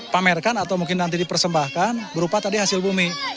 pamerkan atau mungkin nanti dipersembahkan berupa tadi hasil bumi